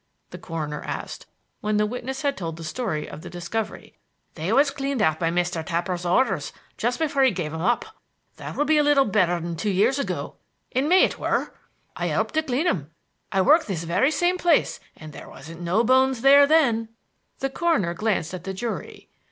the coroner asked, when the witness had told the story of the discovery. "They was cleaned out by Mr. Tapper's orders just before he gave them up. That will be a little better than two years ago. In May it were. I helped to clean 'em. I worked on this very same place and there wasn't no bones there then." The coroner glanced at the jury.